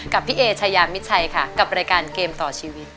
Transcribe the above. กับพี่เอชายามิดชัยค่ะกับรายการเกมต่อชีวิต